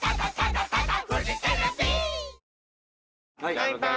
バイバイ。